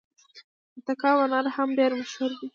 د تګاب انار هم ډیر مشهور دي.